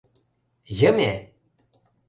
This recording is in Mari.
Йыме!